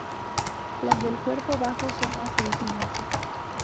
Las del cuerpo bajo son más sencillas.